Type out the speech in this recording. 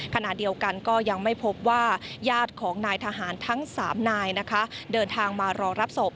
ขณะเดียวกันก็ยังไม่พบว่าญาติของนายทหารทั้ง๓นายนะคะเดินทางมารอรับศพ